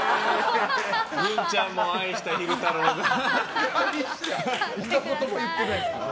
グンちゃんも愛した昼太郎です。